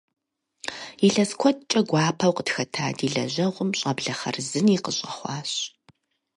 Илъэс куэдкӀэ гуапэу къытхэта ди лэжьэгъум щӀэблэ хъарзыни къыщӀэхъуащ.